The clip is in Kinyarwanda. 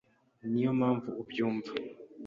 Niyo mpamvu ubyumva